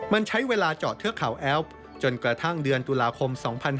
มันใช้เวลาเจาะเทือกเขาแอ้วจนกระทั่งเดือนตุลาคม๒๕๕๙